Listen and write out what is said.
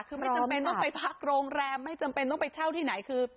คือไม่จำเป็นต้องไปพักโรงแรมไม่จำเป็นต้องไปเช่าที่ไหนคือ